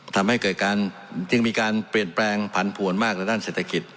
ทำให้เกิดการจึงมีการเปลี่ยนแปลงผันผวนมากในด้านเศรษฐกิจ